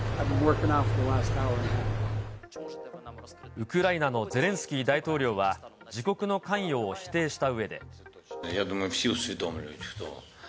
ウクライナのゼレンスキー大統領は自国の関与を否定したうえで。